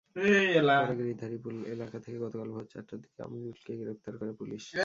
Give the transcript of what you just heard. পরে গিরিধারীপুর এলাকা থেকে গতকাল ভোর চারটার দিকে আমিরুলকে গ্রেপ্তার করে পুলিশ।